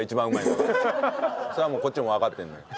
それはもうこっちもわかってんのよ。